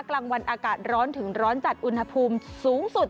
กลางวันอากาศร้อนถึงร้อนจัดอุณหภูมิสูงสุด